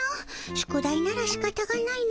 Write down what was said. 宿題ならしかたがないの。